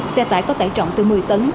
xe tải có tải trọng từ một mươi tấn